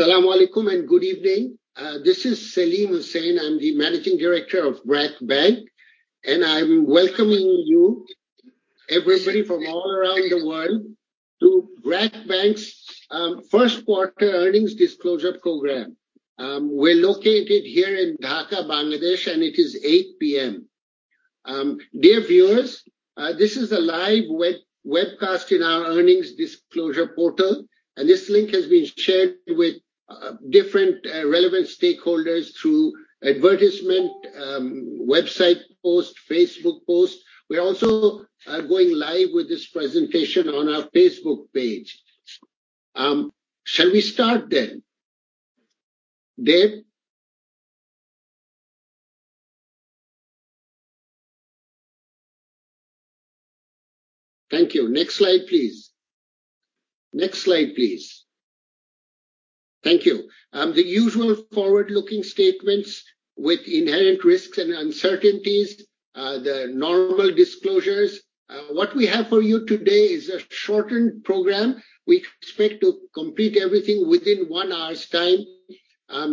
As-salamu alaykum, and good evening. This is Selim Hussain. I'm the managing director of BRAC Bank, and I'm welcoming you, everybody from all around the world, to BRAC Bank's first quarter earnings disclosure program. We're located here in Dhaka, Bangladesh, and it is 8:00 P.M. Dear viewers, this is a live webcast in our earnings disclosure portal, and this link has been shared with different relevant stakeholders through advertisement, website post, Facebook post. We also are going live with this presentation on our Facebook page. Shall we start? Deb? Thank you. Next slide, please. Next slide, please. Thank you. The usual forward-looking statements with inherent risks and uncertainties, the normal disclosures. What we have for you today is a shortened program. We expect to complete everything within one hour's time.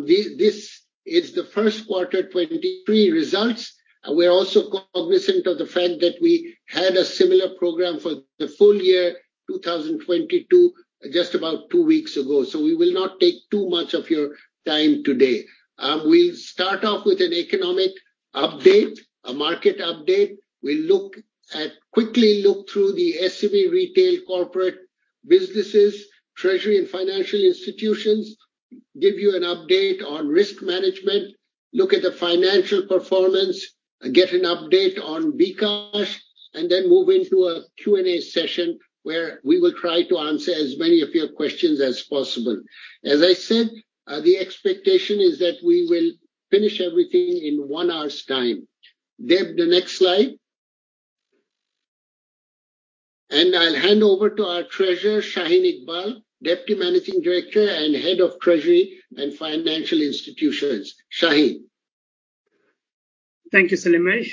This is the first quarter 2023 results. We're also cognizant of the fact that we had a similar program for the full year 2022 just about two weeks ago, so we will not take too much of your time today. We'll start off with an economic update, a market update. We'll quickly look through the SME retail corporate businesses, Treasury and Financial Institutions, give you an update on risk management, look at the financial performance, get an update on bKash, and then move into a Q&A session where we will try to answer as many of your questions as possible. As I said, the expectation is that we will finish everything in one hour's time. Deb, the next slide. I'll hand over to our Treasurer, Shaheen Iqbal, Deputy Managing Director and Head of Treasury and Financial Institutions. Shaheen. Thank you, Selim Bhai.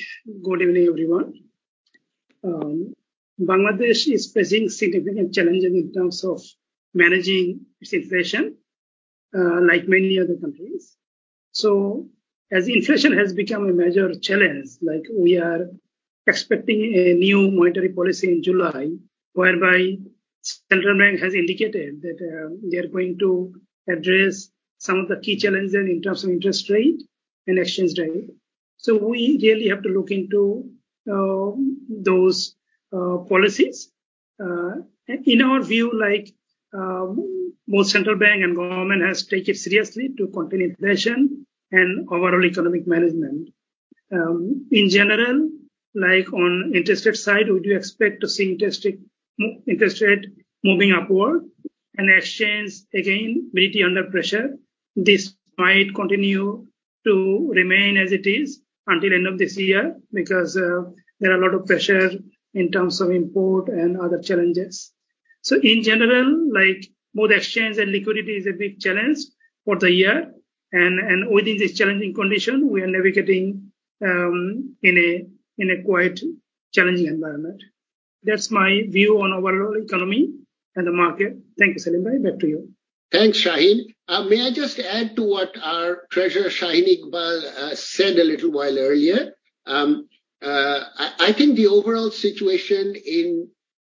Good evening, everyone. Bangladesh is facing significant challenges in terms of managing its inflation, like many other countries. As inflation has become a major challenge, like, we are expecting a new monetary policy in July, whereby central bank has indicated that they're going to address some of the key challenges in terms of interest rate and exchange rate. We really have to look into those policies. In our view, like, both central bank and government has taken seriously to contain inflation and overall economic management. In general, like, on interest rate side, would you expect to see interest rate moving upward and exchange again really under pressure. This might continue to remain as it is until end of this year because, there are a lot of pressure in terms of import and other challenges. In general, like, both exchange and liquidity is a big challenge for the year. Within this challenging condition, we are navigating, in a quite challenging environment. That's my view on overall economy and the market. Thank you, Salim Bhai. Back to you. Thanks, Shaheen. may I just add to what our treasurer, Shaheen Iqbal, said a little while earlier. I think the overall situation in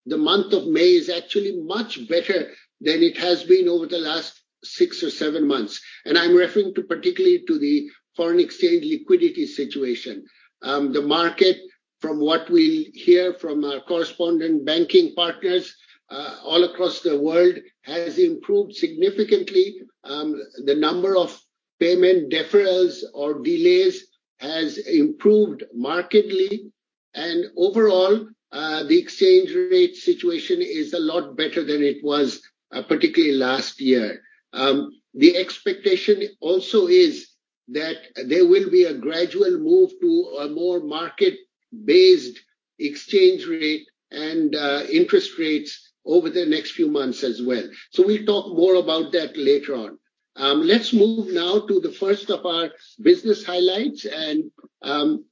the month of May is actually much better than it has been over the last six or seven months, and I'm referring to particularly to the foreign exchange liquidity situation. The market, from what we hear from our correspondent banking partners, all across the world, has improved significantly. The number of payment deferrals or delays has improved markedly. Overall, the exchange rate situation is a lot better than it was, particularly last year. The expectation also is that there will be a gradual move to a more market-based exchange rate and interest rates over the next few months as well. We'll talk more about that later on. Let's move now to the first of our business highlights and Tomal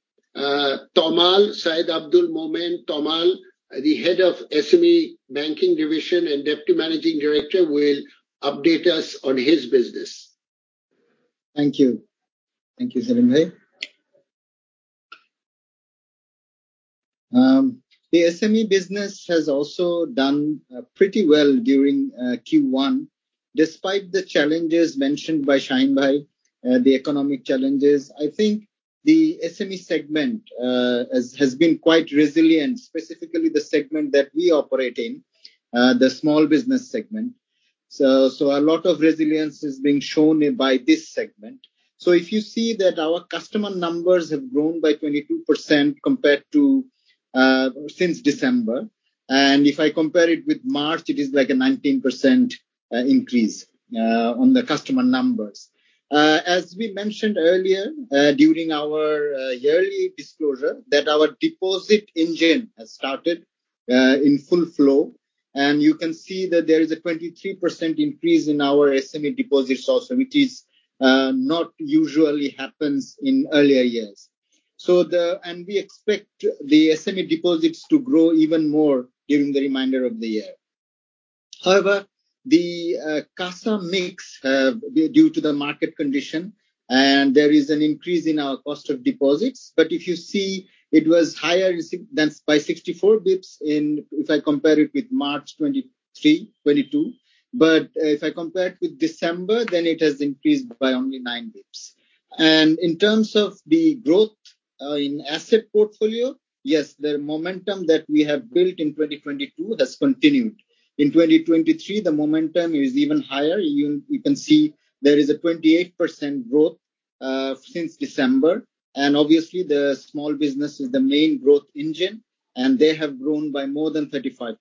Syed Abdul Momen. Tomal, the Head of SME Banking Division and Deputy Managing Director, will update us on his business. Thank you. Thank you, Selim Bhai. The SME business has also done pretty well during Q1, despite the challenges mentioned by Shaheen Bhai, the economic challenges. I think the SME segment has been quite resilient, specifically the segment that we operate in, the small business segment. A lot of resilience is being shown by this segment. If you see that our customer numbers have grown by 22% compared to since December, and if I compare it with March, it is like a 19% increase on the customer numbers. As we mentioned earlier, during our yearly disclosure that our deposit engine has started in full flow, You can see that there is a 23% increase in our SME deposits also, which is not usually happens in earlier years. We expect the SME deposits to grow even more during the remainder of the year. However, the CASA mix due to the market condition and there is an increase in our cost of deposits. If you see, it was higher than by 64 bps if I compare it with March 2023-2022. If I compare it with December, then it has increased by only 9 bps. In terms of the growth in asset portfolio, yes, the momentum that we have built in 2022 has continued. In 2023, the momentum is even higher. You can see there is a 28% growth since December, and obviously the small business is the main growth engine, and they have grown by more than 35%.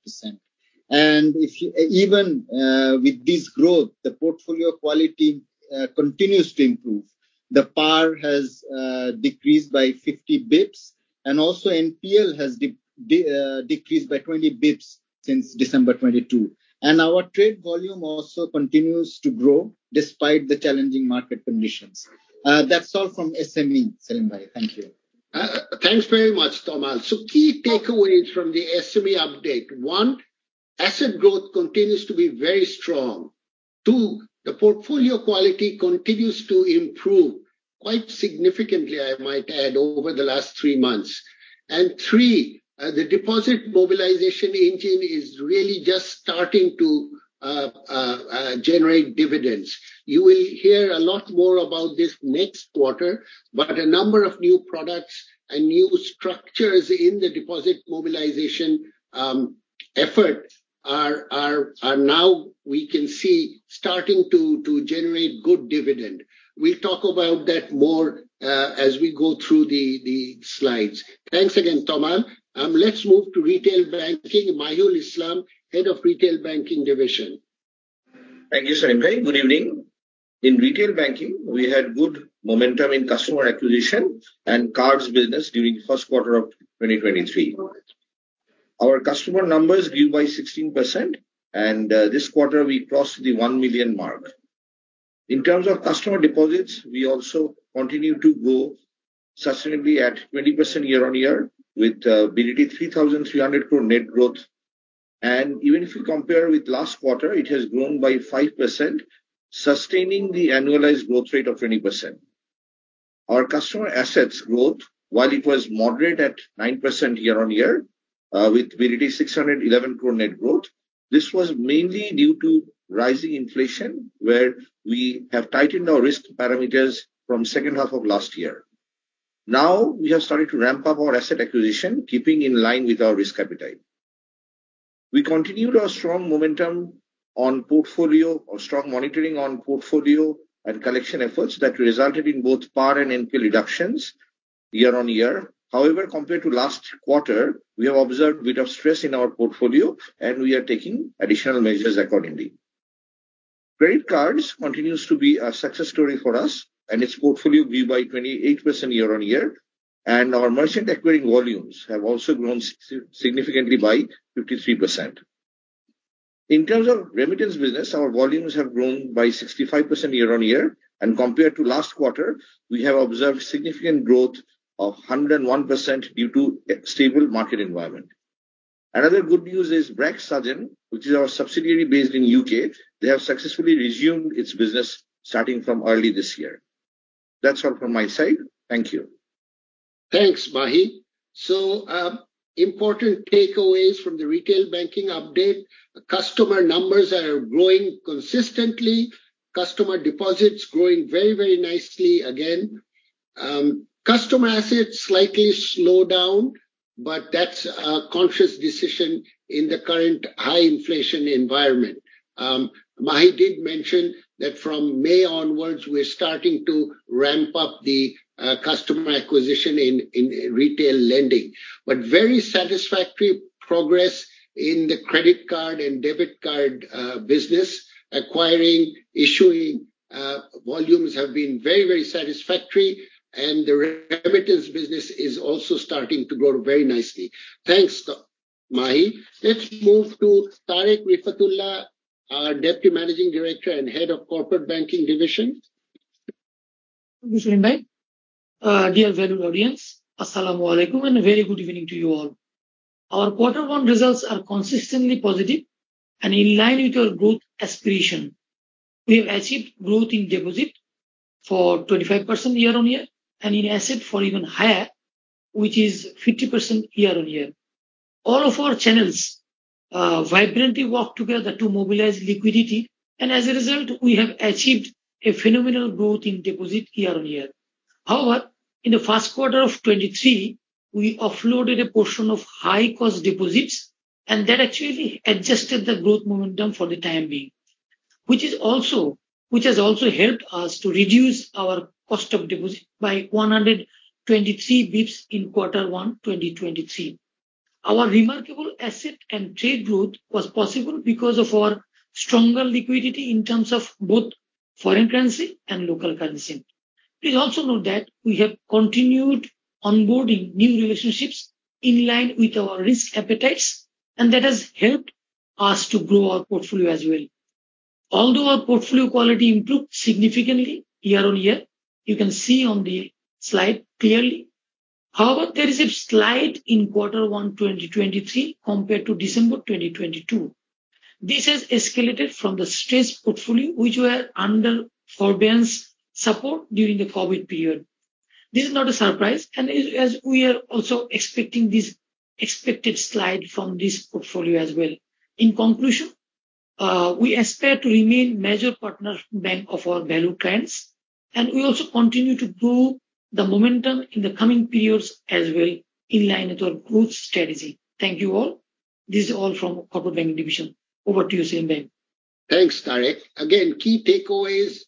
Even with this growth, the portfolio quality continues to improve. The PAR has decreased by 50 bps, and also NPL has decreased by 20 bps since December 2022. Our trade volume also continues to grow despite the challenging market conditions. That's all from SME, Selim bhai. Thank you. Thanks very much, Tomal. Key takeaways from the SME update. One, asset growth continues to be very strong. Two, the portfolio quality continues to improve, quite significantly, I might add, over the last three months. Three, the deposit mobilization engine is really just starting to generate dividends. You will hear a lot more about this next quarter, but a number of new products and new structures in the deposit mobilization effort are now we can see starting to generate good dividend. We'll talk about that more as we go through the slides. Thanks again, Tomal. Let's move to retail banking. Mahiul Islam, Head of Retail Banking Division. Thank you, Selim bhai. Good evening. In retail banking, we had good momentum in customer acquisition and cards business during first quarter of 2023. Our customer numbers grew by 16%. This quarter we crossed the one million mark. In terms of customer deposits, we also continue to grow sustainably at 20% year-on-year with BDT 3,300 crore net growth. Even if you compare with last quarter, it has grown by 5%, sustaining the annualized growth rate of 20%. Our customer assets growth, while it was moderate at 9% year-on-year, with BDT 611 crore net growth, this was mainly due to rising inflation, where we have tightened our risk parameters from second half of last year. We have started to ramp up our asset acquisition, keeping in line with our risk appetite. We continued our strong momentum on portfolio or strong monitoring on portfolio and collection efforts that resulted in both PAR and NPL reductions year-on-year. Compared to last quarter, we have observed bit of stress in our portfolio, and we are taking additional measures accordingly. Credit cards continues to be a success story for us, and its portfolio grew by 28% year-on-year, and our merchant acquiring volumes have also grown significantly by 53%. In terms of remittance business, our volumes have grown by 65% year-on-year, and compared to last quarter, we have observed significant growth of 101% due to a stable market environment. Another good news is BRAC Saajan, which is our subsidiary based in U.K., they have successfully resumed its business starting from early this year. That's all from my side. Thank you. Thanks, Mahi. Important takeaways from the retail banking update. Customer numbers are growing consistently. Customer deposits growing very, very nicely again. Customer assets slightly slowed down, but that's a conscious decision in the current high inflation environment. Mahi did mention that from May onwards we're starting to ramp up the customer acquisition in retail lending. Very satisfactory progress in the credit card and debit card business. Acquiring, issuing, volumes have been very, very satisfactory, and the remittance business is also starting to grow very nicely. Thanks, Mahi. Let's move to Tareq Refat Ullah, our Deputy Managing Director and Head of Corporate Banking Division. Thank you, Selim bhai. Dear valued audience, asalam alaikum and a very good evening to you all. Our quarter one results are consistently positive and in line with our growth aspiration. We have achieved growth in deposit for 25% year-on-year, and in asset for even higher, which is 50% year-on-year. All of our channels vibrantly work together to mobilize liquidity, and as a result, we have achieved a phenomenal growth in deposit year-on-year. However, in the first quarter of 2023, we offloaded a portion of high-cost deposits, and that actually adjusted the growth momentum for the time being, which has also helped us to reduce our cost of deposit by 123 basis points in quarter one, 2023. Our remarkable asset and trade growth was possible because of our stronger liquidity in terms of both foreign currency and local currency. Please also note that we have continued onboarding new relationships in line with our risk appetites, and that has helped us to grow our portfolio as well. Although our portfolio quality improved significantly year-on-year, you can see on the slide clearly. There is a slide in quarter one 2023 compared to December 2022. This has escalated from the stress portfolio which were under forbearance support during the COVID period. This is not a surprise, as we are also expecting this expected slide from this portfolio as well. In conclusion, we expect to remain major partner bank of our value clients, and we also continue to grow the momentum in the coming periods as well in line with our growth strategy. Thank you all. This is all from Corporate Banking division. Over to you, Selim Bhai. Thanks, Tareq. Again, key takeaways,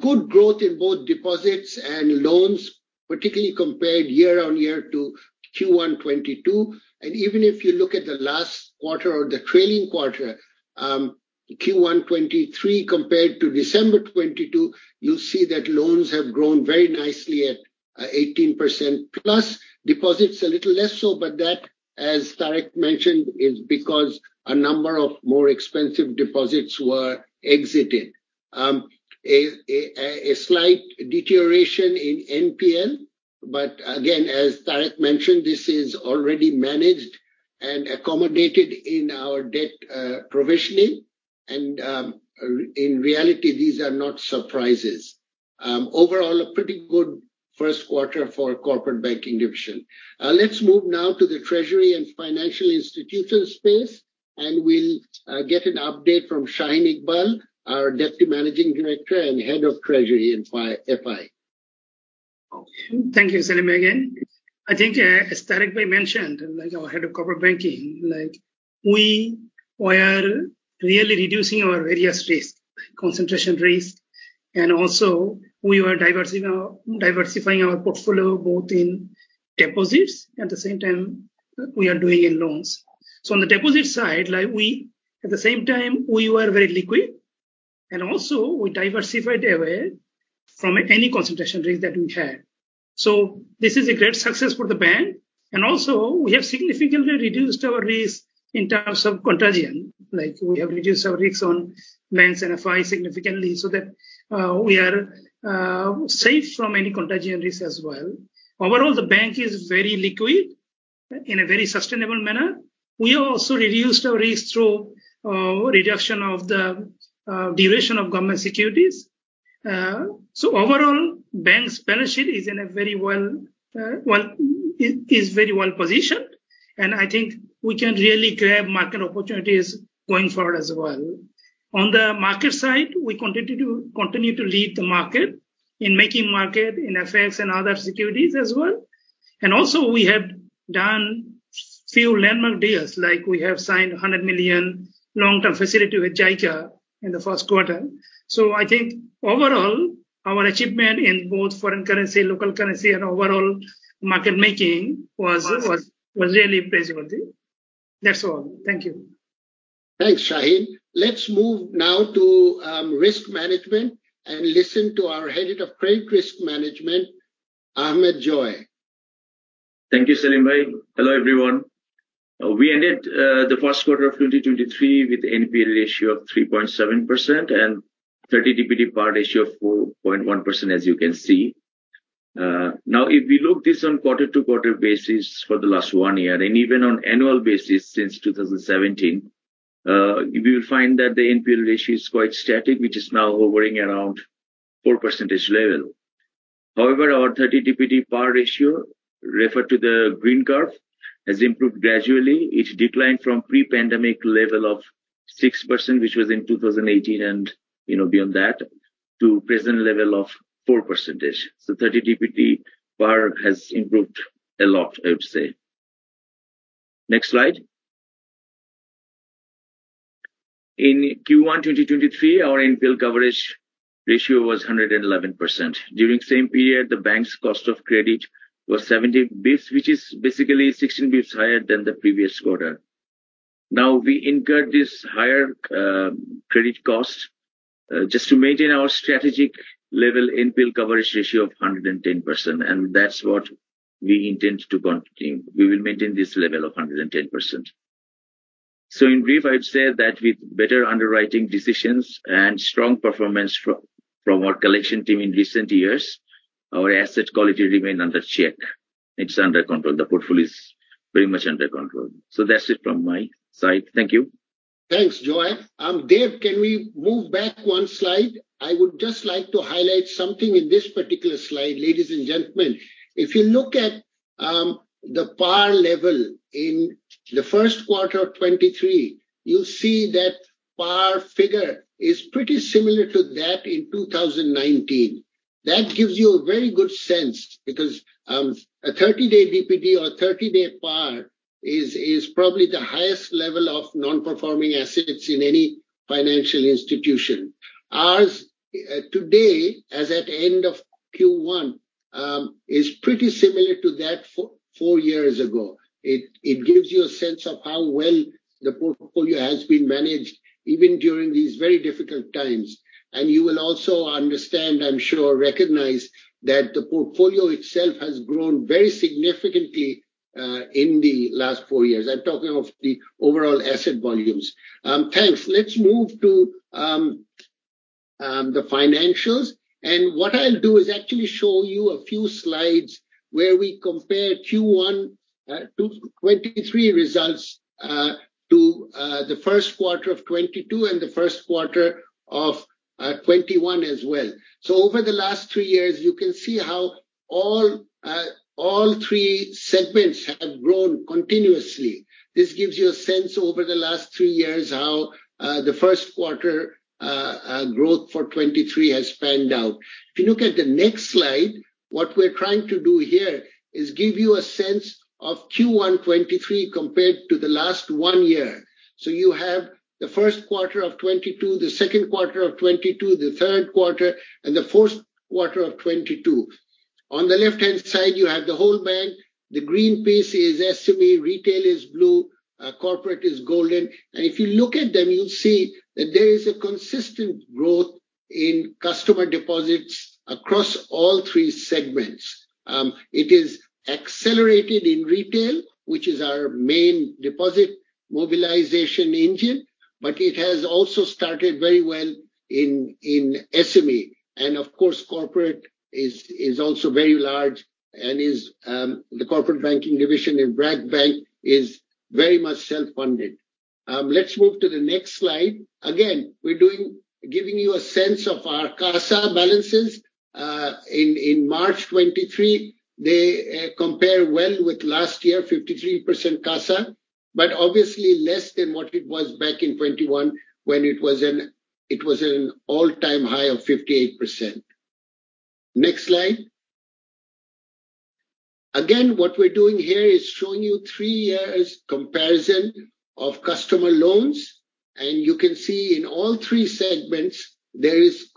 good growth in both deposits and loans, particularly compared year-on-year to Q1 2022. Even if you look at the last quarter or the trailing quarter, Q1 2023 compared to December 2022, you will see that loans have grown very nicely at 18%+. Deposits a little less so, but that, as Tareq mentioned, is because a number of more expensive deposits were exited. A slight deterioration in NPL, but again, as Tariq mentioned, this is already managed and accommodated in our debt provisioning and in reality, these are not surprises. Overall, a pretty good first quarter for Corporate Banking Division. Let's move now to the Treasury and Financial Institutions space, and we will get an update from Shaheen Iqbal, our Deputy Managing Director and Head of Treasury in FI. Thank you, Selim Bhai. I think, as Tareq Bhai mentioned, like our Head of Corporate Banking, like we were really reducing our various risk, concentration risk, and also we were diversifying our portfolio both in deposits, at the same time we are doing in loans. On the deposit side, like we. At the same time, we were very liquid, and also we diversified away from any concentration risk that we had. This is a great success for the bank, and also we have significantly reduced our risk in terms of contagion. Like we have reduced our risks on loans and FI significantly so that we are safe from any contagion risk as well. Overall, the bank is very liquid in a very sustainable manner. We also reduced our risk through reduction of the duration of government securities. Overall, Bank's balance sheet is in a very well, it's very well-positioned, and I think we can really grab market opportunities going forward as well. On the market side, we continue to lead the market in making market in FX and other securities as well. Also, we have done few landmark deals, like we have signed a $100 million long-term facility with JICA in the first quarter. I think overall, our achievement in both foreign currency, local currency and overall market making was really praiseworthy. That's all. Thank you. Thanks, Shaheen. Let's move now to risk management and listen to our Head of Credit Risk Management, Ahmed Rashid Joy. Thank you, Selim Bhai. Hello, everyone. We ended the first quarter of 2023 with NPL ratio of 3.7% and 30 DPD PAR ratio of 4.1%, as you can see. Now, if we look this on quarter-to-quarter basis for the last one year and even on annual basis since 2017, we will find that the NPL ratio is quite static, which is now hovering around 4% level. However, our 30 DPD PAR ratio, refer to the green curve, has improved gradually. It declined from pre-pandemic level of 6%, which was in 2018 and, you know, beyond that, to present level of 4%. 30 DPD PAR has improved a lot, I would say. Next slide. In Q1 2023, our NPL coverage ratio was 111%. During same period, the bank's cost of credit was 70 bps, which is basically 16 bps higher than the previous quarter. We incurred this higher credit cost just to maintain our strategic level NPL coverage ratio of 110%, and that's what we intend to continue. We will maintain this level of 110%. In brief, I would say that with better underwriting decisions and strong performance from our collection team in recent years, our asset quality remain under check. It's under control. The portfolio is very much under control. That's it from my side. Thank you. Thanks, Joy. Deb, can we move back one slide? I would just like to highlight something in this particular slide, ladies and gentlemen. If you look at the PAR level in the first quarter of 2023, you'll see that PAR figure is pretty similar to that in 2019. That gives you a very good sense because a 30-day DPD or 30-day PAR is probably the highest level of non-performing assets in any financial institution. Ours, today, as at end of Q1, is pretty similar to that four years ago. It gives you a sense of how well the portfolio has been managed even during these very difficult times. You will also understand, I'm sure recognize, that the portfolio itself has grown very significantly in the last four years. I'm talking of the overall asset volumes. Thanks. Let's move to the financials. And what I'll do is actually show you a few slides where we compare Q1 2023 results to the first quarter of 2022 and the first quarter of 2021 as well. So over the last three years, you can see how all three segments have grown continuously. This gives you a sense over the last three years how the first quarter growth for 2023 has panned out. If you look at the next slide, what we're trying to do here is give you a sense of Q1 2023 compared to the last one year. So you have the first quarter of 2022, the second quarter of 2022, the third quarter, and the fourt quarter of 2022. On the left-hand side, you have the whole bank. The green piece is SME, retail is blue, corporate is golden. If you look at them, you'll see that there is a consistent growth in customer deposits across all three segments. It is accelerated in retail, which is our main deposit mobilization engine, but it has also started very well in SME. Of course, corporate is also very large and is, the corporate banking division in BRAC Bank is very much self-funded. Let's move to the next slide. Again, giving you a sense of our CASA balances. In March 2023, they compare well with last year, 53% CASA, but obviously less than what it was back in 2021 when it was an all-time high of 58%. Next slide. Again, what we're doing here is showing you three years comparison of customer loans. You can see in all three segments there is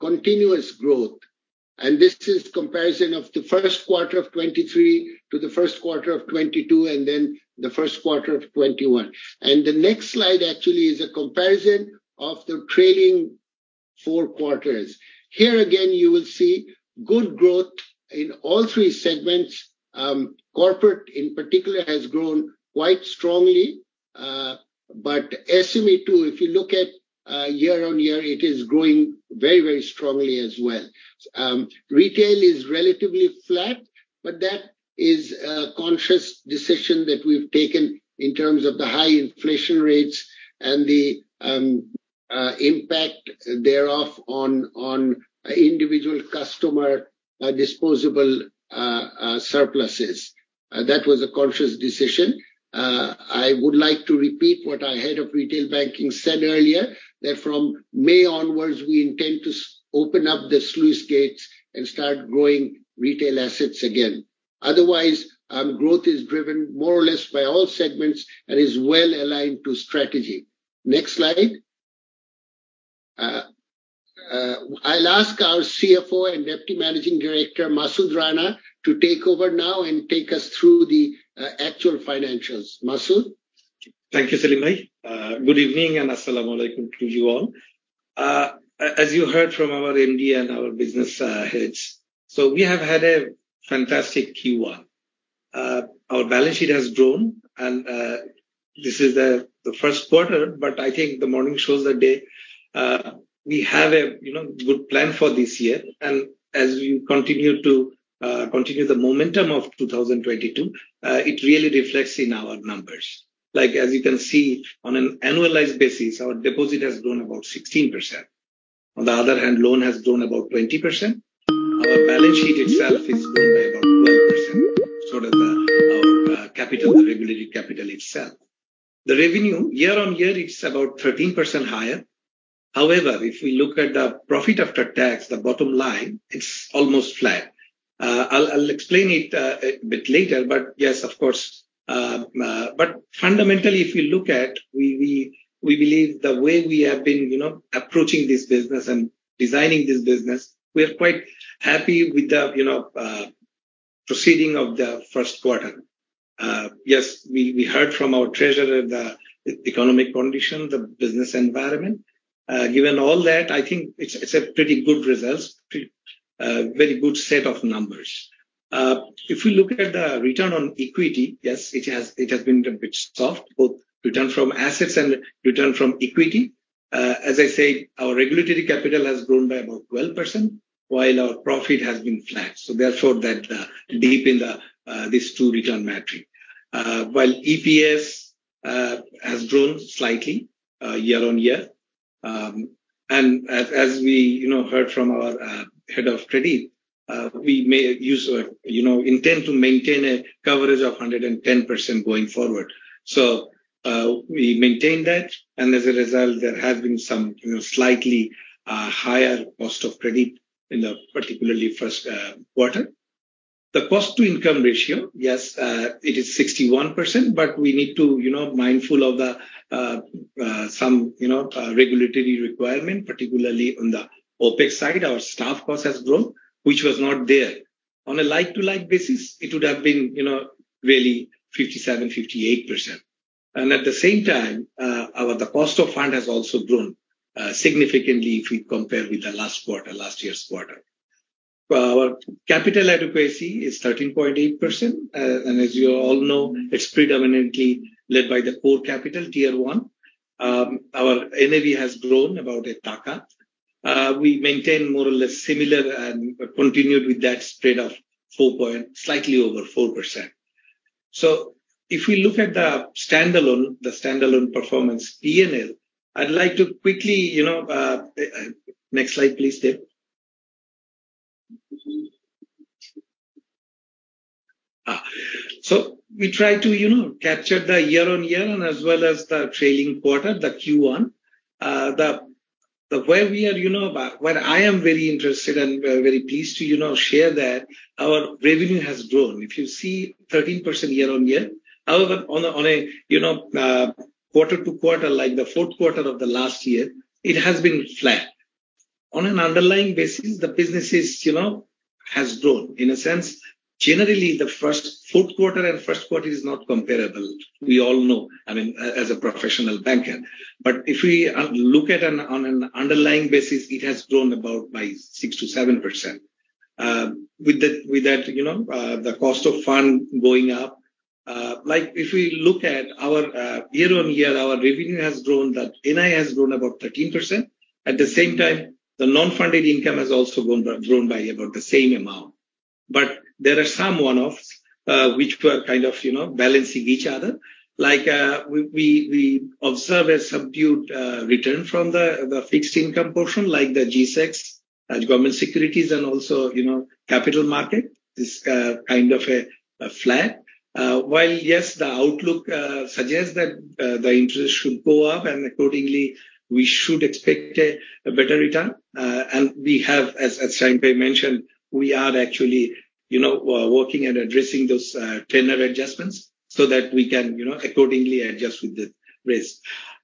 continuous growth. This is comparison of the first quarter of 2023 to the first quarter of 2022 and then the first quarter of 2021. The next slide actually is a comparison of the trailing four quarters. Here again, you will see good growth in all three segments. Corporate in particular has grown quite strongly. But SME too, if you look at year-on-year, it is growing very, very strongly as well. Retail is relatively flat, but that is a conscious decision that we've taken in terms of the high inflation rates and the impact thereof on individual customer disposable surpluses. That was a conscious decision. I would like to repeat what our head of retail banking said earlier, that from May onwards we intend to open up the sluice gates and start growing retail assets again. Otherwise, growth is driven more or less by all segments and is well aligned to strategy. Next slide. I'll ask our CFO and Deputy Managing Director, Masud Rana, to take over now and take us through the actual financials. Masud. Thank you, Selim Bhai. Good evening and as-salamu alaykum to you all. As you heard from our MD and our business heads, we have had a fantastic Q1. Our balance sheet has grown and this is the first quarter, but I think the morning shows the day. We have a, you know, good plan for this year. As we continue to continue the momentum of 2022, it really reflects in our numbers. Like, as you can see, on an annualized basis, our deposit has grown about 16%. On the other hand, loan has grown about 20%. Our balance sheet itself has grown by about 12%, so does our capital, the regulatory capital itself. The revenue, year-on-year it's about 13% higher. If we look at the profit after tax, the bottom line, it's almost flat. I'll explain it a bit later, but yes, of course. Fundamentally, if you look at, we believe the way we have been, you know, approaching this business and designing this business, we are quite happy with the, you know, proceeding of the first quarter. Yes, we heard from our treasurer the economic condition, the business environment. Given all that, I think it's a pretty good results, a very good set of numbers. If we look at the return on equity, yes, it has been a bit soft, both return from assets and return from equity. As I say, our regulatory capital has grown by about 12%, while our profit has been flat, so therefore that dip in the these two return metric. While EPS has grown slightly year-on-year, and as we, you know, heard from our Head of Credit, we may use, you know, intend to maintain a coverage of 110% going forward. We maintain that, and as a result, there have been some, you know, slightly higher cost of credit in the particularly first quarter. The cost to income ratio, yes, it is 61%, but we need to, you know, mindful of the some, you know, regulatory requirement, particularly on the OpEx side. Our staff cost has grown, which was not there. On a like-to-like basis, it would have been, you know, really 57%-58%. At the same time, the cost of fund has also grown significantly if we compare with the last quarter, last year's quarter. Our capital adequacy is 13.8%. As you all know, it's predominantly led by the core capital tier one. Our NAV has grown about Taka 1. We maintain more or less similar and continued with that spread of 4 point... slightly over 4%. If we look at the standalone, the standalone performance P&L, I'd like to quickly, you know... Next slide, please, Deb. We try to, you know, capture the year-on-year and as well as the trailing quarter, the Q1. The way we are, you know, what I am very interested and very pleased to, you know, share that our revenue has grown. If you see 13% year-on-year. However, on a, you know, quarter-to-quarter, like the fourth quarter of the last year, it has been flat. On an underlying basis, the business is, you know, has grown. In a sense, generally the fourth quarter and first quarter is not comparable. We all know, I mean, as a professional banker. If we look at on an underlying basis, it has grown about by 6%-7%. With that, with that, you know, the cost of fund going up. Like if we look at our year-on-year, our revenue has grown. The NII has grown about 13%. At the same time, the non-funded income has also grown by about the same amount. There are some one-offs, which were kind of, you know, balancing each other. Like, we observe a subdued return from the fixed income portion, like the G-Secs, government securities and also, you know, capital market is kind of a flat. While yes, the outlook suggests that the interest should go up and accordingly we should expect a better return, and we have, as Selim mentioned, we are actually, you know, working at addressing those tenor adjustments so that we can, you know, accordingly adjust with the risk.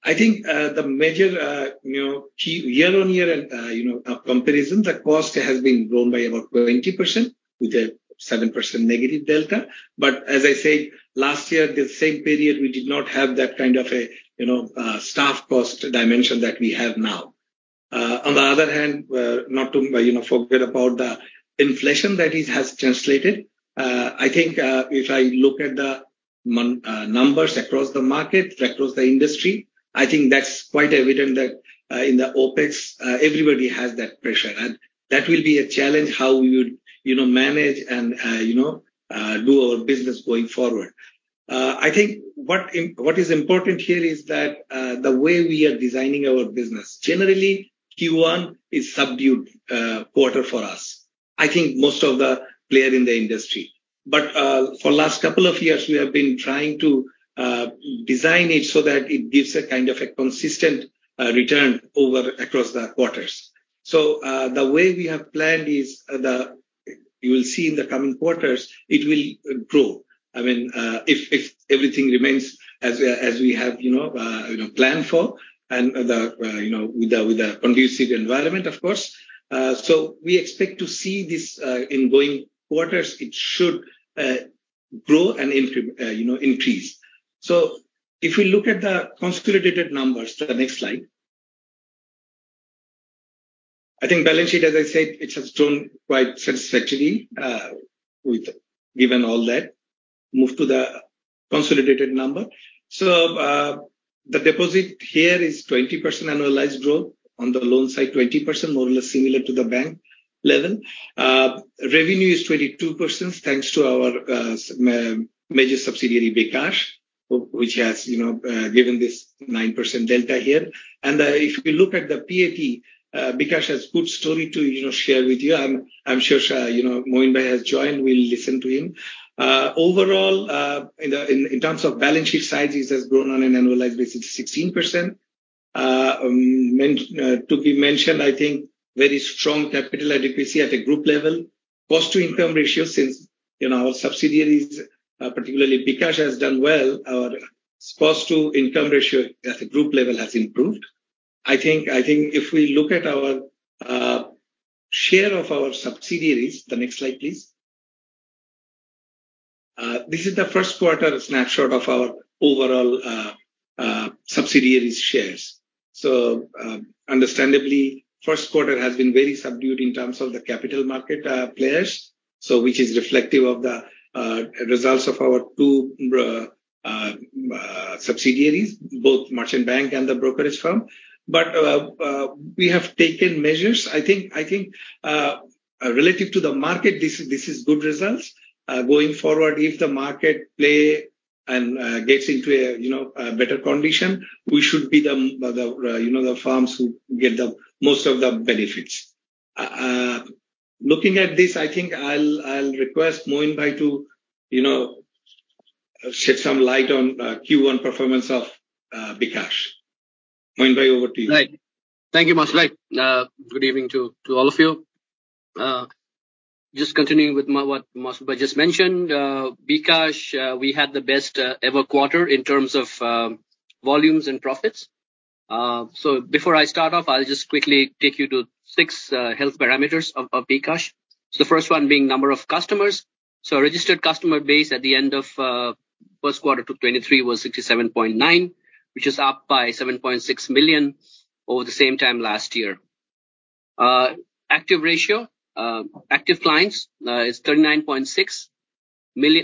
I think, the major, you know, key year-over-year and, you know, comparison, the cost has been grown by about 20% with a 7% negative delta. As I said, last year, the same period, we did not have that kind of a, you know, staff cost dimension that we have now. On the other hand, not to, you know, forget about the inflation that has translated. I think, if I look at the numbers across the market, across the industry, I think that's quite evident that, in the OpEx, everybody has that pressure and that will be a challenge how we would, you know, manage and, you know, do our business going forward. I think what is important here is that the way we are designing our business. Generally, Q1 is subdued quarter for us. I think most of the player in the industry. For last couple of years we have been trying to design it so that it gives a kind of a consistent return over across the quarters. The way we have planned is, you will see in the coming quarters it will grow. I mean, if everything remains as we have, you know, planned for and, you know, with the conducive environment, of course. We expect to see this in going quarters, it should grow and, you know, increase. If we look at the consolidated numbers, the next slide. I think balance sheet, as I said, it has done quite satisfactorily, with, given all that. Move to the consolidated number. The deposit here is 20% annualized growth. On the loan side, 20%, more or less similar to the bank level. Revenue is 22%, thanks to our major subsidiary, bKash, which has, you know, given this 9% delta here. If we look at the PAT, bKash has good story to, you know, share with you. I'm sure, you know, Moin vai has joined. We'll listen to him. Overall, in terms of balance sheet sizes has grown on an annualized basis 16%. To be mentioned, I think very strong capital adequacy at a group level. Cost to income ratio since, you know, our subsidiaries, particularly bKash has done well, our cost to income ratio at the group level has improved. I think if we look at our share of our subsidiaries. The next slide, please. This is the first quarter snapshot of our overall subsidiaries' shares. Understandably, first quarter has been very subdued in terms of the capital market players, so which is reflective of the results of our two subsidiaries, both merchant bank and the brokerage firm. We have taken measures. I think, relative to the market, this is good results. Going forward, if the market play and gets into a, you know, a better condition, we should be the, you know, the firms who get the most of the benefits. Looking at this, I think I'll request Moin vai to, you know, shed some light on Q1 performance of bKash. Moin vai, over to you. Right. Thank you, Masud vai. good evening to all of you. just continuing with what Masud vai just mentioned, bKash, we had the best ever quarter in terms of volumes and profits. before I start off, I'll just quickly take you to six health parameters of bKash. The first one being number of customers. Registered customer base at the end of first quarter 2023 was 67.9, which is up by 7.6 million over the same time last year. Active ratio, active clients, is 39.6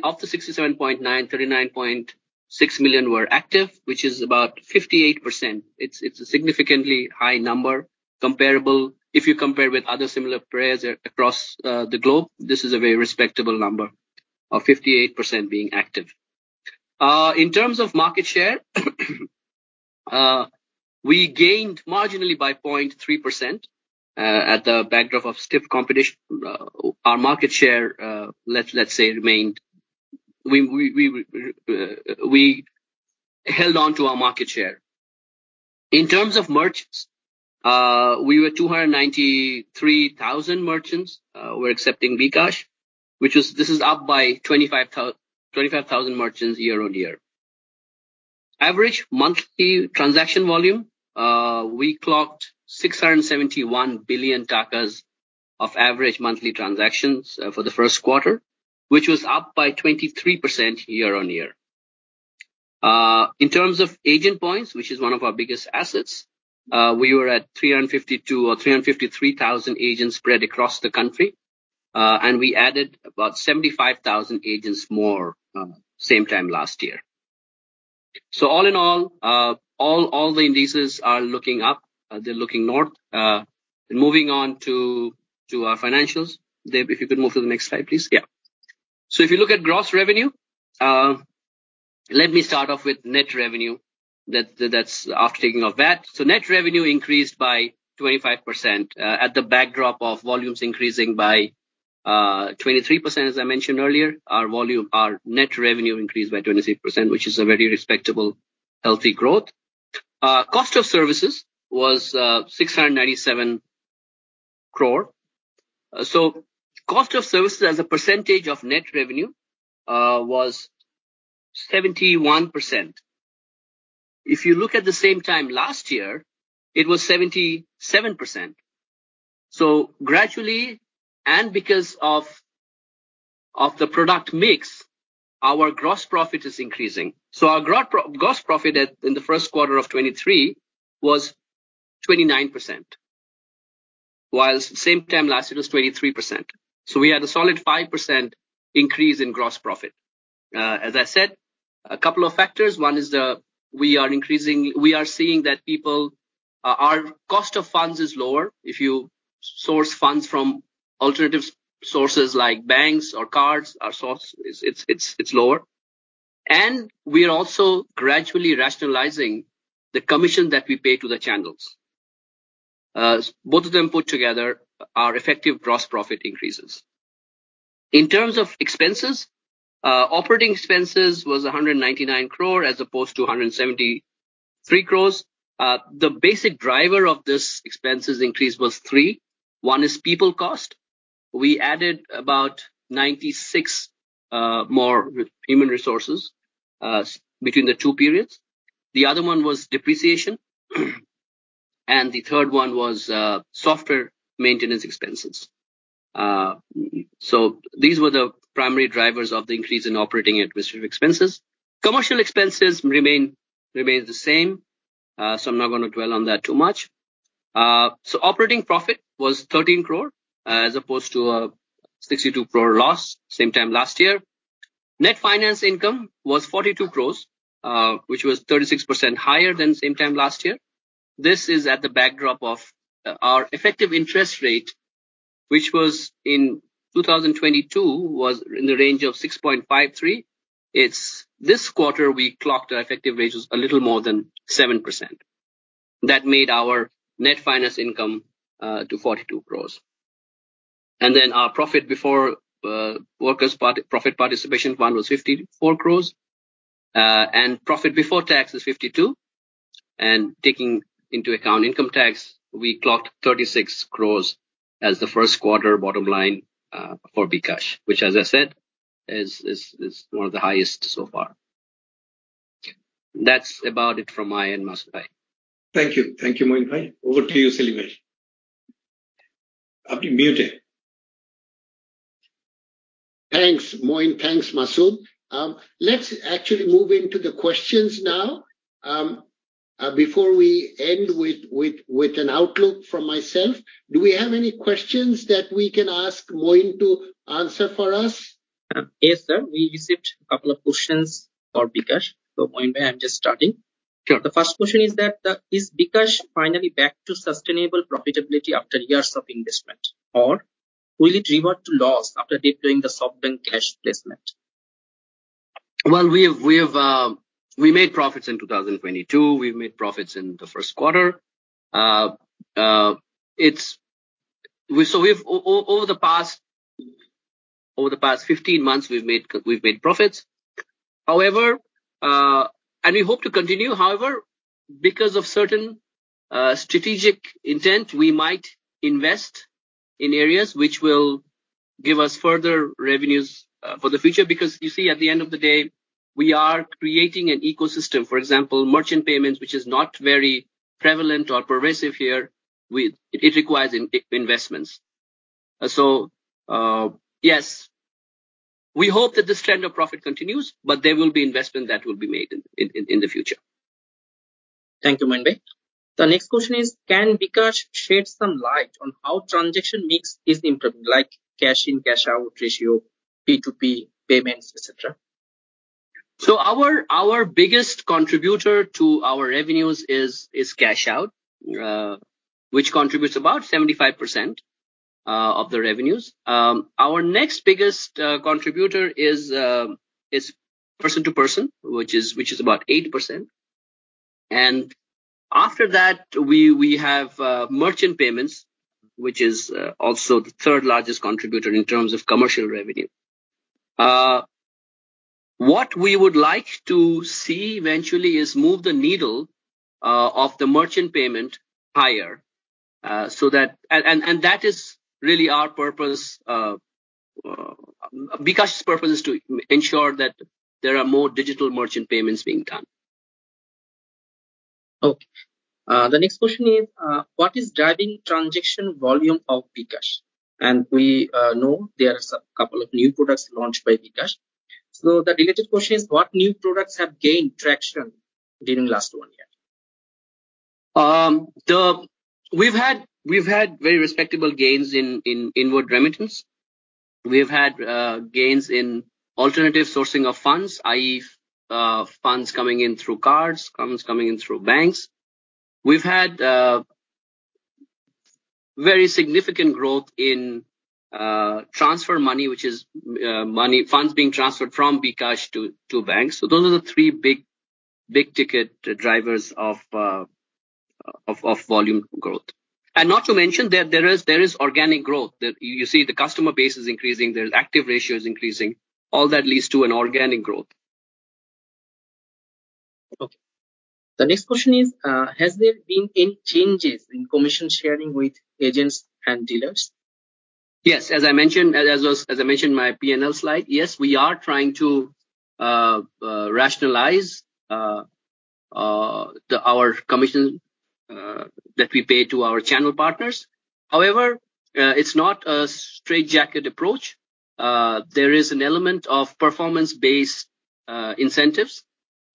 Of the 67.9, 39.6 million were active, which is about 58%. It's a significantly high number comparable... If you compare with other similar players across the globe, this is a very respectable number of 58% being active. In terms of market share, we gained marginally by 0.3%. At the backdrop of stiff competition, our market share let's say remained... We held on to our market share. In terms of merchants, we were 293,000 merchants were accepting bKash, which is... This is up by 25,000 merchants year-on-year. Average monthly transaction volume, we clocked BDT 671 billion of average monthly transactions for the first quarter, which was up by 23% year-on-year. In terms of agent points, which is one of our biggest assets, we were at 352,000 or 353,000 agents spread across the country, and we added about 75,000 agents more, same time last year. All in all the indices are looking up. They're looking north. Moving on to our financials. Deb, if you could move to the next slide, please. Yeah. If you look at gross revenue, let me start off with net revenue. That's after taking off VAT. Net revenue increased by 25%, at the backdrop of volumes increasing by 23%, as I mentioned earlier. Our net revenue increased by 23%, which is a very respectable, healthy growth. Cost of services was BDT 697 crore. Cost of services as a percentage of net revenue was 71%. If you look at the same time last year, it was 77%. Gradually, and because of the product mix, our gross profit is increasing. Our gross profit at, in the first quarter of 2023 was 29%, whilst same time last year it was 23%. We had a solid 5% increase in gross profit. As I said, a couple of factors. One is the We are seeing that people our cost of funds is lower. If you source funds from alternative sources like banks or cards, our source it's lower. We are also gradually rationalizing the commission that we pay to the channels. Both of them put together our effective gross profit increases. In terms of expenses, operating expenses was BDT 199 crore as opposed to BDT 173 crore. The basic driver of this expenses increase was three. One is people cost. We added about 96 more human resources between the two periods. The other one was depreciation. The third one was software maintenance expenses. These were the primary drivers of the increase in operating and administrative expenses. Commercial expenses remains the same, I'm not gonna dwell on that too much. Operating profit was BDT 13 crore as opposed to a BDT 62 crore loss same time last year. Net finance income was BDT 42 crore, which was 36% higher than same time last year. This is at the backdrop of our effective interest rate, which was in 2022 was in the range of 6.53%. It's this quarter we clocked our effective rates was a little more than 7%. That made our net finance income to BDT 42 crores. Our profit before workers' part-profit participation one was BDT 54 crores. Profit before tax was BDT 52 crores. Taking into account income tax, we clocked BDT 36 crores as the first quarter bottom line for bKash, which as I said is one of the highest so far. That's about it from my end, Masud bhai. Thank you. Thank you, Moin bhai. Over to you, Selim bhai. Aapki mute hai. Thanks, Moin. Thanks, Masud. Let's actually move into the questions now, before we end with an outlook from myself. Do we have any questions that we can ask Moin to answer for us? Yes, sir. We received a couple of questions for bKash. Moin bhai, I'm just starting. Sure. The first question is that, is bKash finally back to sustainable profitability after years of investment, or will it revert to loss after deploying the SoftBank cash placement? Well, we've made profits in 2022. We've made profits in the first quarter. So we've over the past 15 months, we've made profits. However, and we hope to continue. However, because of certain strategic intent, we might invest in areas which will give us further revenues for the future. You see, at the end of the day, we are creating an ecosystem. For example, merchant payments, which is not very prevalent or pervasive here with. It requires investments. Yes, we hope that this trend of profit continues, but there will be investment that will be made in the future. Thank you, Moin vai. The next question is: can bKash shed some light on how transaction mix is improving, like cash in, cash out ratio, P2P payments, et cetera? Our biggest contributor to our revenues is cash out, which contributes about 75% of the revenues. Our next biggest contributor is person to person, which is about 8%. After that, we have merchant payments, which is also the third largest contributor in terms of commercial revenue. What we would like to see eventually is move the needle of the merchant payment higher so that... That is really our purpose. bKash's purpose is to ensure that there are more digital merchant payments being done. Okay. The next question is, what is driving transaction volume of bKash? We know there are some couple of new products launched by bKash. The related question is, what new products have gained traction during last one year? We've had very respectable gains in inward remittance. We've had gains in alternative sourcing of funds, i.e., funds coming in through cards, funds coming in through banks. We've had very significant growth in transfer money, which is money, funds being transferred from bKash to banks. Those are the three big-ticket drivers of volume growth. Not to mention, there is organic growth. You see the customer base is increasing, their active ratio is increasing. All that leads to an organic growth. The next question is, has there been any changes in commission sharing with agents and dealers? Yes. As I mentioned, As I mentioned in my P&L slide, yes, we are trying to rationalize the, our commission that we pay to our channel partners. However, it's not a straightjacket approach. There is an element of performance-based incentives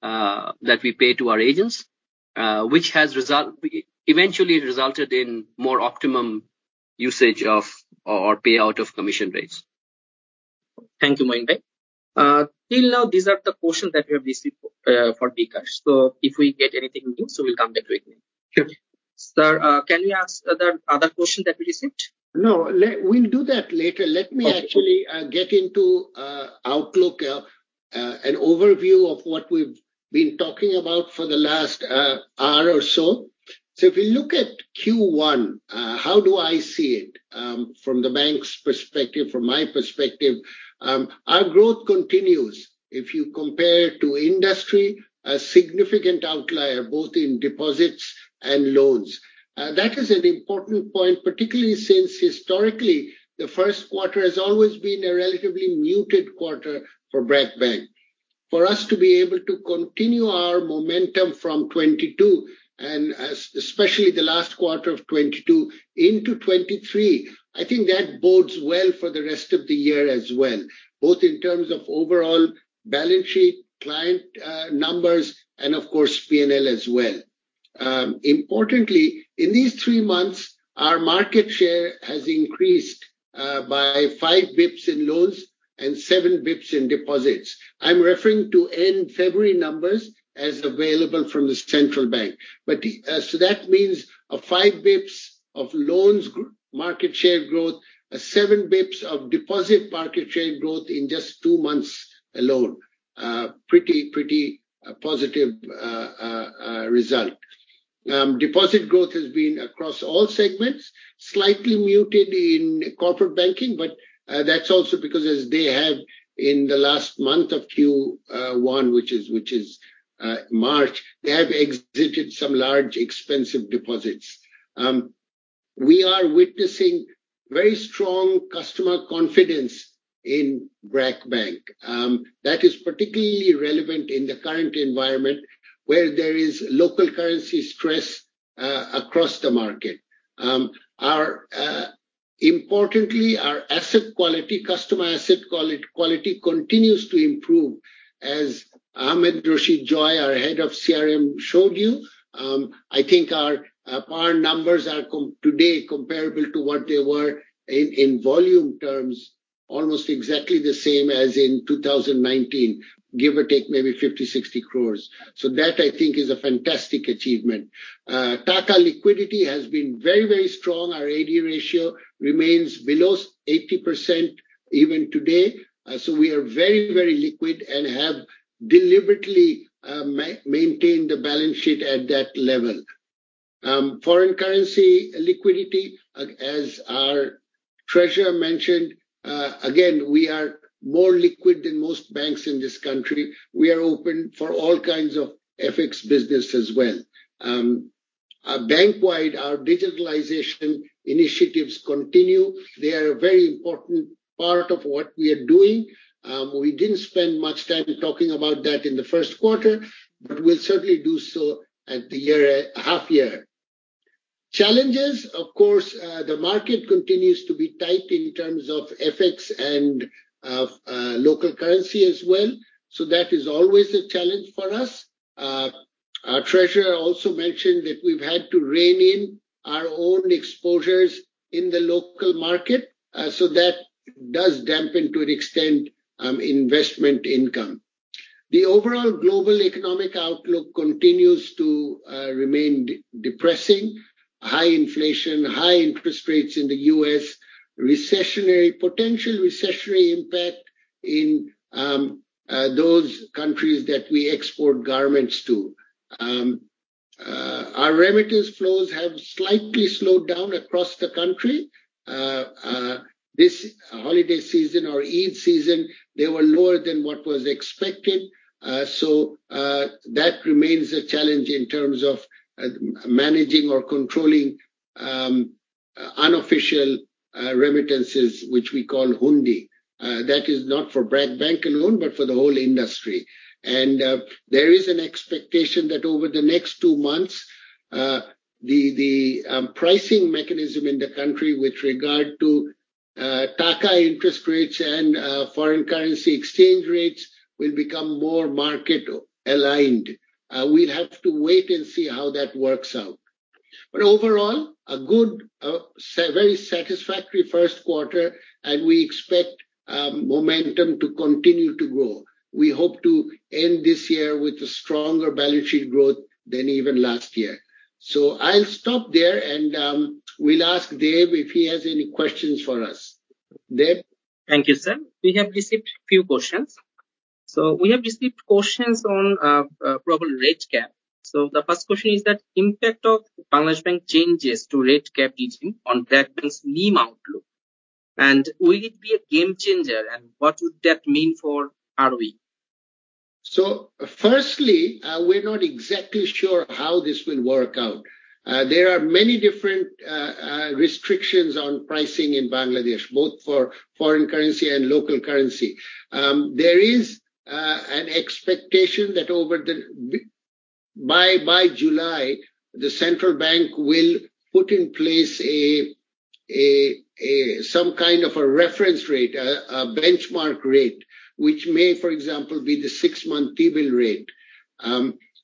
that we pay to our agents, which has eventually resulted in more optimum usage of, or payout of commission rates. Thank you, Moin vai. Till now, these are the questions that we have received, for bKash. If we get anything new, so we'll come back to it. Sure. Sir, can we ask other question that we received? No. We'll do that later. Okay. Let me actually get into outlook, an overview of what we've been talking about for the last hour or so. If you look at Q1, how do I see it, from the bank's perspective, from my perspective? Our growth continues. If you compare to industry, a significant outlier both in deposits and loans. That is an important point, particularly since historically, the first quarter has always been a relatively muted quarter for BRAC Bank. For us to be able to continue our momentum from 2022, and especially the last quarter of 2022 into 2023, I think that bodes well for the rest of the year as well, both in terms of overall balance sheet, client, numbers, and of course P&L as well. Importantly, in these three months, our market share has increased by 5 bps in loans and 7 bps in deposits. I'm referring to end February numbers as available from the central bank. That means a 5 bps of loans market share growth, a 7 bps of deposit market share growth in just two months alone. Pretty positive result. Deposit growth has been across all segments, slightly muted in corporate banking, that's also because as they have in the last month of Q1, which is March, they have exited some large expensive deposits. We are witnessing very strong customer confidence in BRAC Bank. That is particularly relevant in the current environment where there is local currency stress across the market. Our. Importantly, our asset quality, customer asset quality continues to improve. As Ahmed Rashid Joy, our Head of CRM, showed you, I think our PAR numbers are today comparable to what they were in volume terms, almost exactly the same as in 2019, give or take maybe BDT 50, 60 crores. That I think is a fantastic achievement. Taka liquidity has been very, very strong. Our AD ratio remains below 80% even today. We are very, very liquid and have deliberately maintain the balance sheet at that level. Foreign currency liquidity, as our treasurer mentioned, again, we are more liquid than most banks in this country. We are open for all kinds of FX business as well. Bank-wide, our digitalization initiatives continue. They are a very important part of what we are doing. We didn't spend much time talking about that in the first quarter. We'll certainly do so at the year end... half year. Challenges, of course, the market continues to be tight in terms of FX and local currency as well, that is always a challenge for us. Our treasurer also mentioned that we've had to rein in our own exposures in the local market, that does dampen, to an extent, investment income. The overall global economic outlook continues to remain depressing. High inflation, high interest rates in the U.S., potential recessionary impact in those countries that we export garments to. Our remittance flows have slightly slowed down across the country. This holiday season or Eid season, they were lower than what was expected. That remains a challenge in terms of managing or controlling unofficial remittances, which we call hundi. That is not for BRAC Bank alone, but for the whole industry. There is an expectation that over the next two months the pricing mechanism in the country with regard to taka interest rates and foreign currency exchange rates will become more market aligned. We'd have to wait and see how that works out. Overall, a good, very satisfactory first quarter, and we expect momentum to continue to grow. We hope to end this year with a stronger balance sheet growth than even last year. I'll stop there, and we'll ask Deb if he has any questions for us. Deb? Thank you, sir. We have received a few questions. We have received questions on, probably rate cap. The first question is that impact of Bangladesh Bank changes to rate cap teaching on BRAC Bank's NIM outlook. Will it be a game changer, and what would that mean for ROE? Firstly, we're not exactly sure how this will work out. There are many different restrictions on pricing in Bangladesh, both for foreign currency and local currency. There is an expectation that by July, the Central bank will put in place a some kind of a reference rate, a benchmark rate, which may, for example, be the six-month T-bill rate.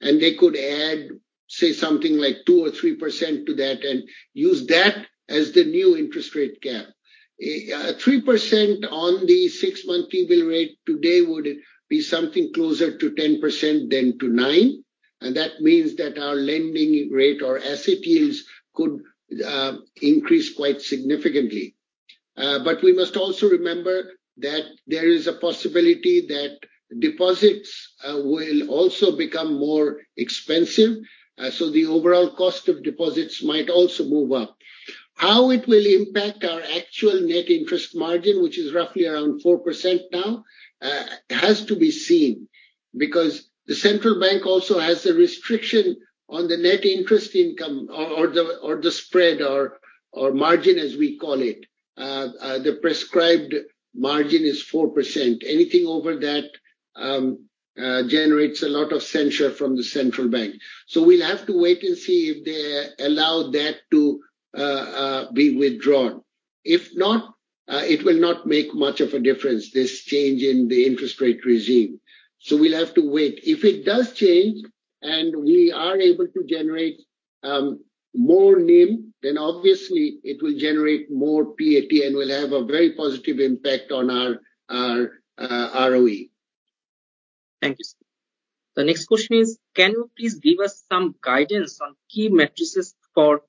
They could add, say, something like 2% or 3% to that and use that as the new interest rate cap. 3% on the six-month T-bill rate today would be something closer to 10% than to nine, and that means that our lending rate or asset yields could increase quite significantly. We must also remember that there is a possibility that deposits will also become more expensive, so the overall cost of deposits might also move up. How it will impact our actual net interest margin, which is roughly around 4% now, has to be seen, because the Central bank also has a restriction on the net interest income or the spread or margin, as we call it. The prescribed margin is 4%. Anything over that generates a lot of censure from the central bank. We'll have to wait and see if they allow that to be withdrawn. If not, it will not make much of a difference, this change in the interest rate regime. We'll have to wait. If it does change, and we are able to generate, more NIM, then obviously it will generate more PAT and will have a very positive impact on our ROE. Thank you, sir. The next question is, can you please give us some guidance on key matrices for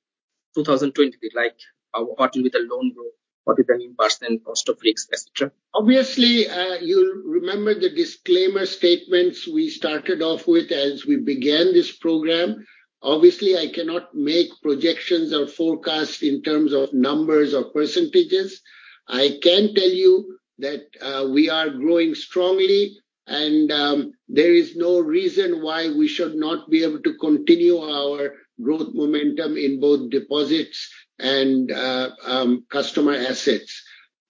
2020, like what will be the loan growth, what will be NIM %, cost of risks, et cetera? Obviously, you'll remember the disclaimer statements we started off with as we began this program. Obviously, I cannot make projections or forecasts in terms of numbers or percentages. I can tell you that we are growing strongly and there is no reason why we should not be able to continue our growth momentum in both deposits and customer assets.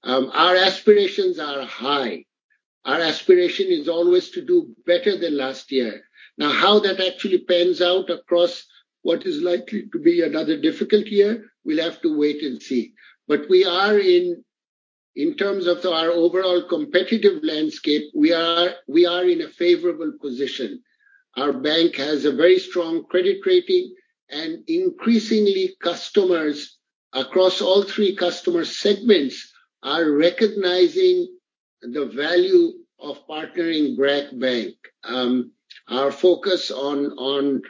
Our aspirations are high. Our aspiration is always to do better than last year. How that actually pans out across what is likely to be another difficult year, we'll have to wait and see. We are in terms of our overall competitive landscape, we are in a favorable position. Our bank has a very strong credit rating and increasingly customers across all three customer segments are recognizing the value of partnering BRAC Bank. Our focus on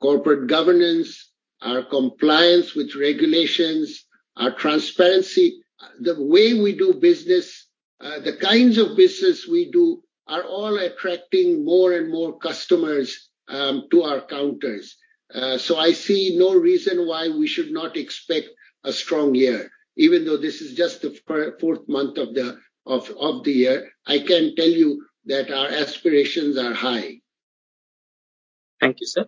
corporate governance, our compliance with regulations, our transparency, the way we do business, the kinds of business we do are all attracting more and more customers to our counters. I see no reason why we should not expect a strong year. Even though this is just the fourth month of the year, I can tell you that our aspirations are high. Thank you, sir.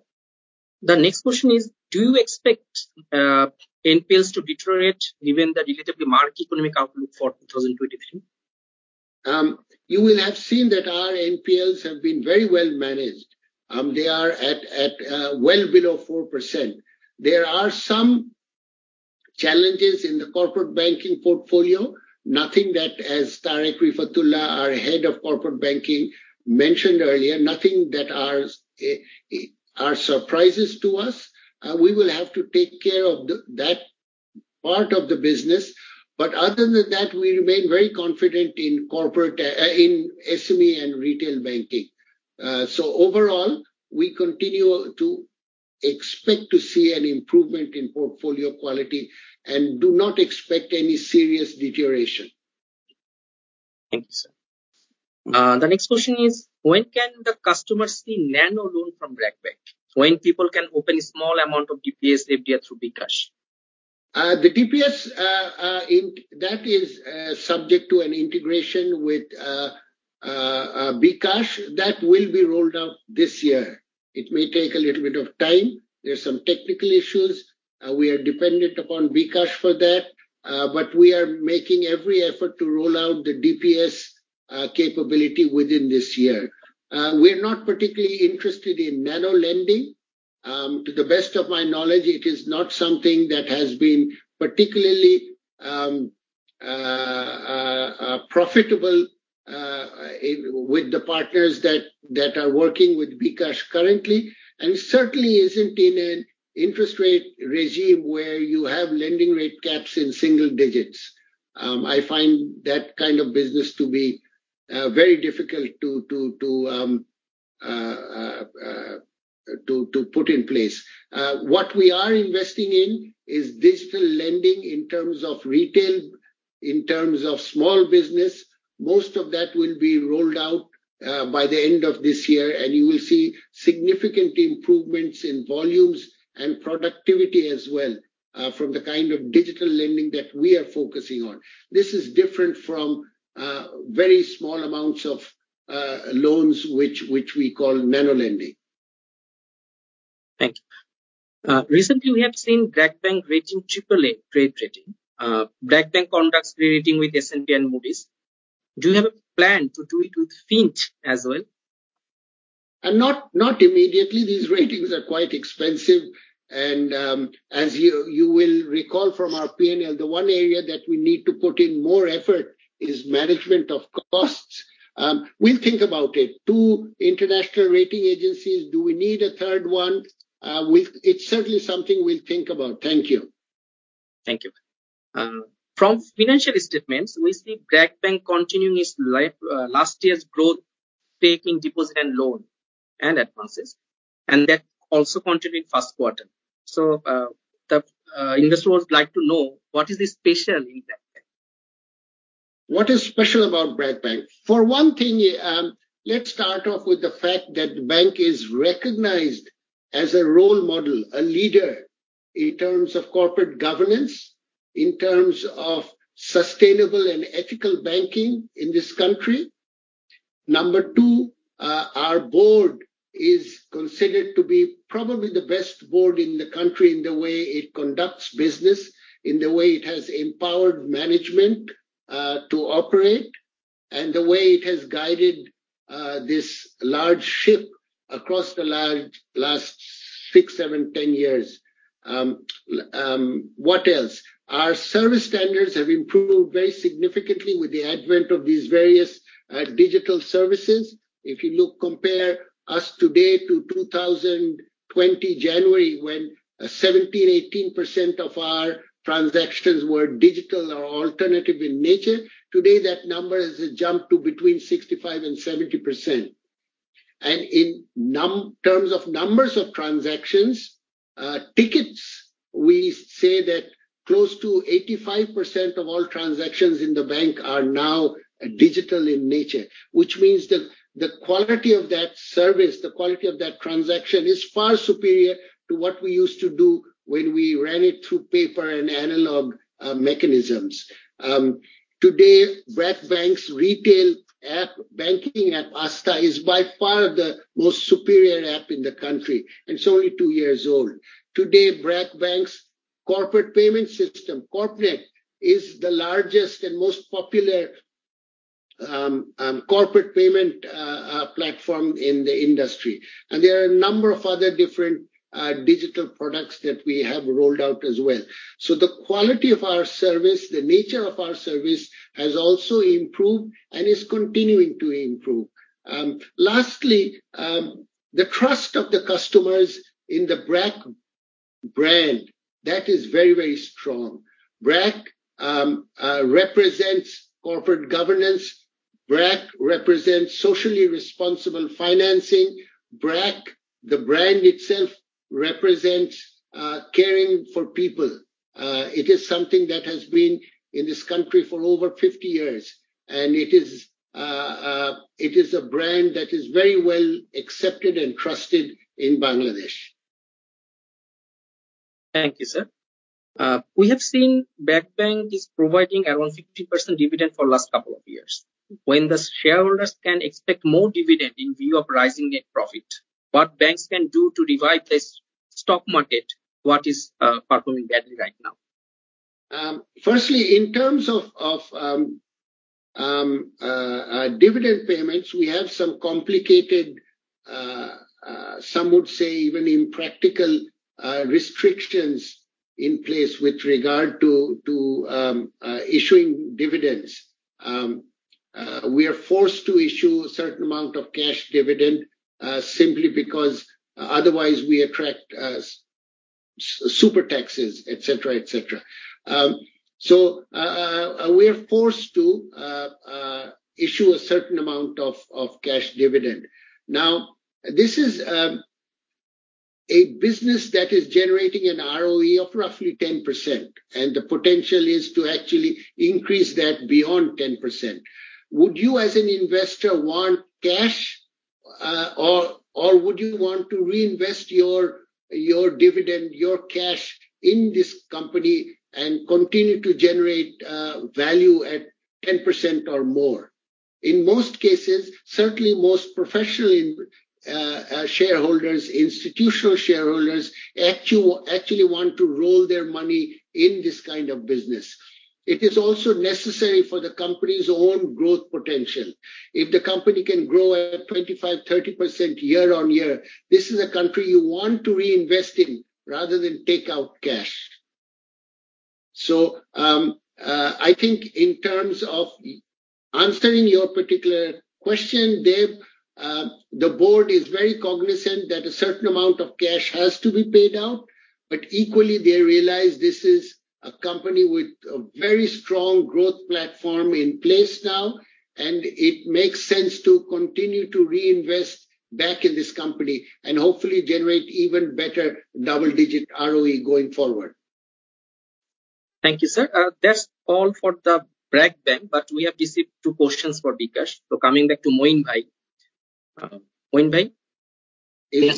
The next question is: do you expect NPLs to deteriorate given the relatively marked economic outlook for 2023? You will have seen that our NPLs have been very well managed. They are at well below 4%. There are some challenges in the corporate banking portfolio. Nothing that, as Tareq Refat Ullah, our Head of Corporate Banking, mentioned earlier, are surprises to us. We will have to take care of that part of the business. Other than that, we remain very confident in corporate, in SME and retail banking. Overall, we continue to expect to see an improvement in portfolio quality and do not expect any serious deterioration. Thank you, sir. The next question is: when can the customers see Nano Loan from BRAC Bank? When people can open a small amount of DPS, FDR through bKash? The DPS, that is subject to an integration with bKash. That will be rolled out this year. It may take a little bit of time. There are some technical issues. We are dependent upon bKash for that, but we are making every effort to roll out the DPS capability within this year. We're not particularly interested in nano-lending. To the best of my knowledge, it is not something that has been particularly profitable with the partners that are working with bKash currently, and certainly isn't in an interest rate regime where you have lending rate caps in single digits. I find that kind of business to be very difficult to put in place. What we are investing in is digital lending in terms of retail, in terms of small business. Most of that will be rolled out by the end of this year, and you will see significant improvements in volumes and productivity as well from the kind of digital lending that we are focusing on. This is different from very small amounts of loans which we call nano-lending. Thank you. Recently we have seen BRAC Bank rating AAA credit rating. BRAC Bank conducts credit rating with S&P and Moody's. Do you have a plan to do it with Fitch as well? Not immediately. These ratings are quite expensive and, as you will recall from our P&L, the one area that we need to put in more effort is management of costs. We'll think about it. Two international rating agencies. Do we need a third one? It's certainly something we'll think about. Thank you. Thank you. From financial statements, we see BRAC Bank continuing its last year's growth pace in deposit and loan and advances, and that also continued first quarter. The investors would like to know, what is special in BRAC Bank? What is special about BRAC Bank? For one thing, let's start off with the fact that the bank is recognized as a role model, a leader in terms of corporate governance, in terms of sustainable and ethical banking in this country. Number two, our board is considered to be probably the best board in the country in the way it conducts business, in the way it has empowered management to operate, and the way it has guided this large ship across the large last six, seven, 10 years. What else? Our service standards have improved very significantly with the advent of these various digital services. If you look, compare us today to January 2020, when 17%-18% of our transactions were digital or alternative in nature, today, that number has jumped to between 65%-70%. In terms of numbers of transactions, tickets, we say that close to 85% of all transactions in the bank are now digital in nature, which means the quality of that service, the quality of that transaction is far superior to what we used to do when we ran it through paper and analog mechanisms. Today, BRAC Bank's retail app, banking app, Astha, is by far the most superior app in the country, and it's only two years old. Today, BRAC Bank's corporate payment system, CORPnet, is the largest and most popular corporate payment platform in the industry. There are a number of other different digital products that we have rolled out as well. The quality of our service, the nature of our service, has also improved and is continuing to improve. Lastly, the trust of the customers in the BRAC brand, that is very, very strong. BRAC represents corporate governance. BRAC represents socially responsible financing. BRAC, the brand itself, represents caring for people. It is something that has been in this country for over 50 years, and it is a brand that is very well accepted and trusted in Bangladesh. Thank you, sir. We have seen BRAC Bank is providing around 50% dividend for last couple of years. When the shareholders can expect more dividend in view of rising net profit, what banks can do to revive this stock market, what is performing badly right now? Firstly, in terms of dividend payments, we have some complicated, some would say even impractical, restrictions in place with regard to issuing dividends. We are forced to issue a certain amount of cash dividend, simply because otherwise we attract super taxes, etc., etc. We're forced to issue a certain amount of cash dividend. Now, this is a business that is generating an ROE of roughly 10%, and the potential is to actually increase that beyond 10%. Would you, as an investor, want cash, or would you want to reinvest your dividend, your cash in this company and continue to generate value at 10% or more? In most cases, certainly most professionaly. Shareholders, institutional shareholders actually want to roll their money in this kind of business. It is also necessary for the company's own growth potential. If the company can grow at 25%, 30% year-on-year, this is a company you want to reinvest in rather than take out cash. I think in terms of answering your particular question, Deb, the board is very cognizant that a certain amount of cash has to be paid out, but equally they realize this is a company with a very strong growth platform in place now, and it makes sense to continue to reinvest back in this company and hopefully generate even better double-digit ROE going forward. Thank you, sir. That's all for the BRAC Bank, we have received two questions for bKash. Coming back to Moin bhai. Moin bhai? Yes. Yes, Deb. Moin here? Oh, good. Yes. Moin bhai, in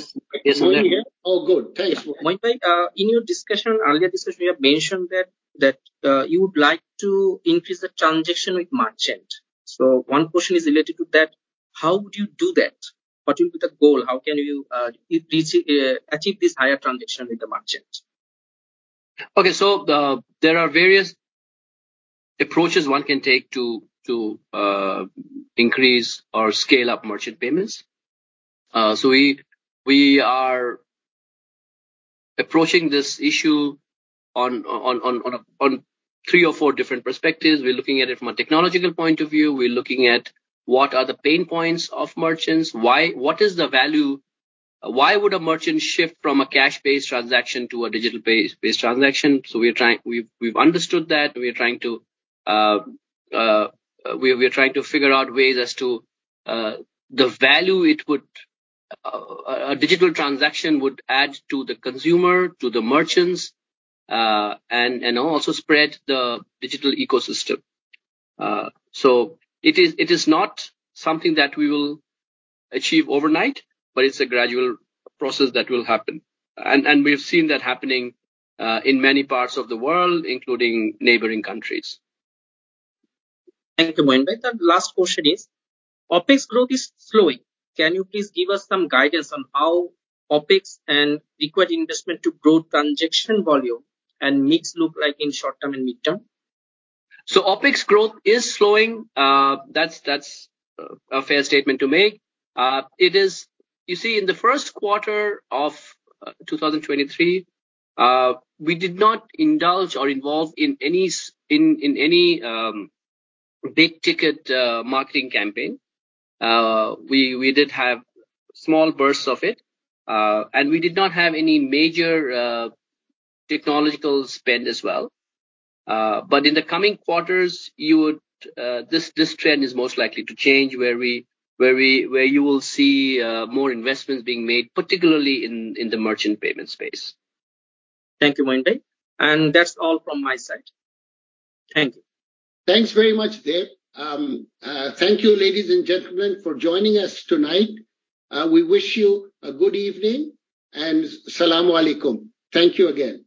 your discussion, earlier discussion, you have mentioned that you would like to increase the transaction with merchant. One question is related to that. How would you do that? What will be the goal? How can you achieve this higher transaction with the merchant? Okay, there are various approaches one can take to increase or scale up merchant payments. We are approaching this issue on a three or four different perspectives. We're looking at it from a technological point of view. We're looking at what are the pain points of merchants, what is the value, why would a merchant shift from a cash-based transaction to a digital-based transaction? We've understood that. We are trying to figure out ways as to the value it would a digital transaction would add to the consumer, to the merchants, and also spread the digital ecosystem. It is not something that we will achieve overnight, but it's a gradual process that will happen. We've seen that happening, in many parts of the world, including neighboring countries. Thank you, Moin bhai. The last question is, OpEx growth is slowing. Can you please give us some guidance on how OpEx and required investment to grow transaction volume and mix look like in short term and midterm? OpEx growth is slowing. That's a fair statement to make. You see, in the first quarter of 2023, we did not indulge or involve in any big-ticket marketing campaign. We did have small bursts of it. We did not have any major technological spend as well. In the coming quarters, this trend is most likely to change where you will see more investments being made, particularly in the merchant payment space. Thank you, Moin bhai. That's all from my side. Thank you. Thanks very much, Deb. Thank you, ladies and gentlemen, for joining us tonight. We wish you a good evening and salaam alaikum. Thank you again.